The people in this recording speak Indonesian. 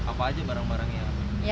apa aja barang barangnya